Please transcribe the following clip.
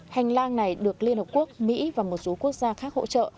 hành lang này được liên hợp quốc mỹ và một số quốc gia khác hỗ trợ